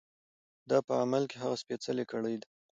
دا په عمل کې هغه سپېڅلې کړۍ ده.